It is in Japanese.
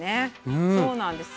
そうなんですよ。